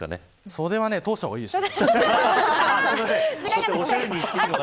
袖は通した方がいいです。